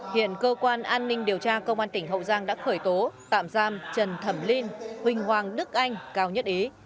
hiện cơ quan an ninh điều tra công an tỉnh hậu giang đã khởi tố tạm giam trần thẩm linh huỳnh hoàng đức anh cao nhất ý